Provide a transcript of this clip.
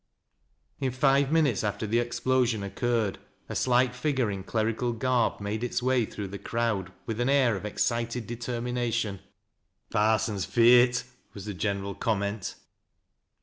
In five minutes after the explosion occurred, a slight figure in clerical garb made its way through the crowd witi> an air oi excited determination " Th' parson's f eai „," was the general comment.